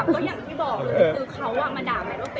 โอ้ยทุกคนคะพี่สงกันเมื่อกี้ค่ะ